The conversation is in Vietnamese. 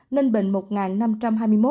ninh bình một năm trăm hai mươi một ca